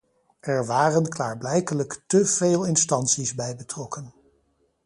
Er waren klaarblijkelijk te veel instanties bij betrokken.